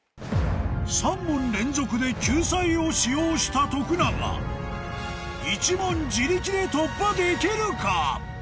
３問連続で救済を使用した徳永１問自力で突破できるか？